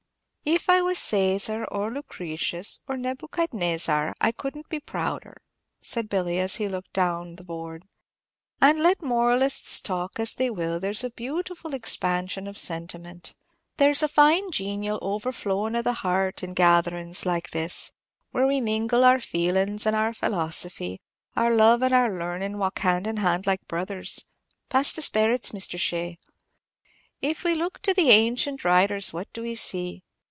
"If I was Cæsar, or Lucretius, or Nebuchadnezzar, I couldn't be prouder," said Billy, as he looked down the board. "And let moralists talk as they will, there's a beautiful expansion of sentiment, there's a fine genial overflowin' of the heart, in gatherin's like this, where we mingle our feelin's and our philosophy; and our love and our learning walk hand in hand like brothers pass the sperits, Mr. Shea. If we look to the ancient writers, what do we see!